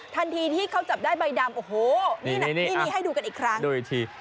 ทันทีที่เขาจับได้ใบดำโอ้โหนี่ให้ดูกันอีกครั้งดูอีกที